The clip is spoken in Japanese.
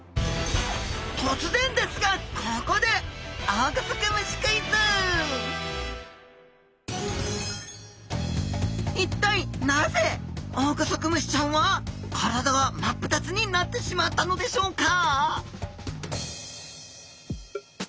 突然ですがここで一体なぜオオグソクムシちゃんは体が真っ二つになってしまったのでしょうか？